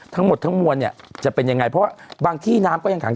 ทั้งหมดทั้งมวลเนี่ยจะเป็นยังไงเพราะว่าบางที่น้ำก็ยังขัง